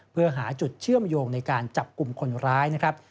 เพื่อหาจุดเชื่อมโยงในการจับกลุ่มคนร้ายนะครับ